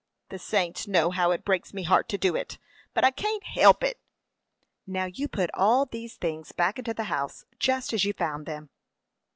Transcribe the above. "The saints know how it breaks me heart to do it, but I can't help it." "Now you put all these things back into the house just as you found them."